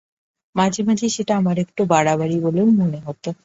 মাঝে মাঝে সেটা আমার একটু বাড়াবাড়ি বলেও মনে হত।